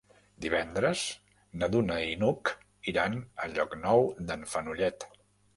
Divendres na Duna i n'Hug iran a Llocnou d'en Fenollet.